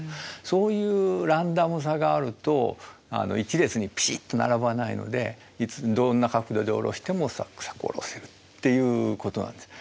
そういうランダムさがあると一列にピシッと並ばないのでいつどんな角度でおろしてもサクサクおろせるっていうことなんです。